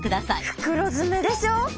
袋詰めでしょ？